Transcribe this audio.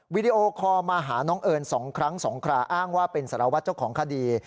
วิดีโอคอลมาหาน้องเอิญ๒ครั้ง๒คราอ้างว่าเป็นสารวัตรเจ้าของคดี